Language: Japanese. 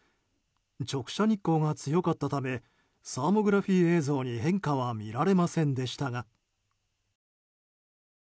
直射日光が強かったためサーモグラフィー映像に変化は見られませんでしたが。